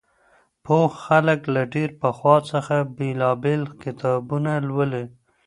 پوه خلګ له ډېر پخوا څخه بېلابېل کتابونه لولي.